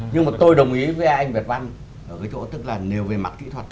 nhưng mà tôi đồng ý với anh bạch văn ở cái chỗ tức là nêu về mặt kỹ thuật